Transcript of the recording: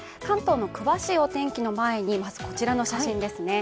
関東の詳しいお天気の前に、まずこちらの写真です。